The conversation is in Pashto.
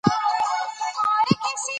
سیندونه د افغان ځوانانو د هیلو استازیتوب کوي.